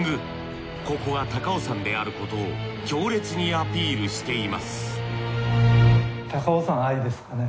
ここが高尾山であることを強烈にアピールしています